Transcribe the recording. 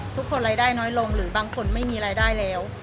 ทุกคนรายได้น้อยลงหรือบางคนไม่มีรายได้แล้ว